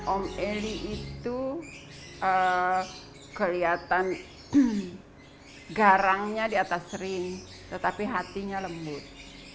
om eli itu kelihatan garangnya di atas ring tetapi hatinya lembut